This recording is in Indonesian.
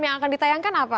yang akan ditayangkan apa